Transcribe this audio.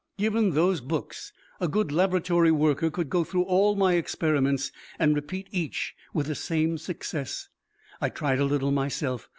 Given those books, a good laboratory worker could go through all my experiments and repeat each with the same success. I tried a little myself.